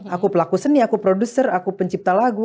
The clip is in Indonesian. aku pelaku seni aku produser aku pencipta lagu